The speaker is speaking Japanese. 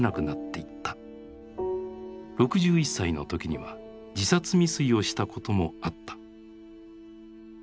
６１歳の時には自殺未遂をしたこともあった。